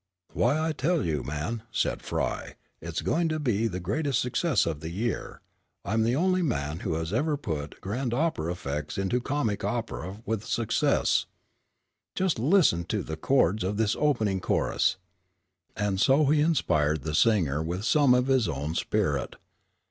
"Why, I tell you, man," said Frye, "it's going to be the greatest success of the year. I am the only man who has ever put grand opera effects into comic opera with success. Just listen to the chords of this opening chorus." And so he inspired the singer with some of his own spirit.